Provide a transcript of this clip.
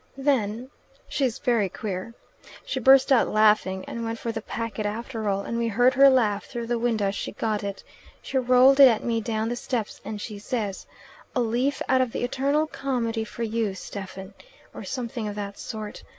Then she's very queer she burst out laughing, and went for the packet after all, and we heard her laugh through the window as she got it. She rolled it at me down the steps, and she says, 'A leaf out of the eternal comedy for you, Stephen,' or something of that sort.